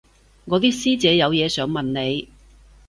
我啲師姐有嘢想問你